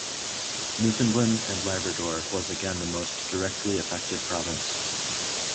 Newfoundland and Labrador was again the most directly affected province.